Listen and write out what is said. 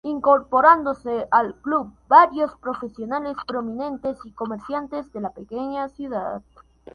Incorporándose al club varios profesionales prominentes y comerciantes de la pequeña ciudad.